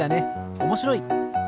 おもしろい！